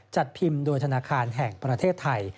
จัดพิมพ์โดยธนาคารแห่งประเทศไทย